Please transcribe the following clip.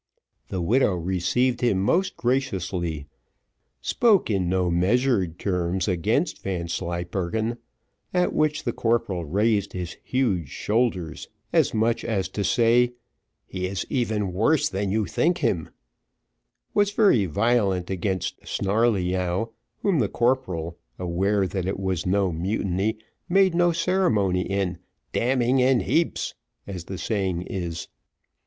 The widow received him most graciously, spoke in no measured terms against Vanslyperken, at which the corporal raised his huge shoulders, as much as to say, "He is even worse than you think him," was very violent against Snarleyyow, whom the corporal, aware that it was no mutiny, made no ceremony in "damning in heaps," as the saying is.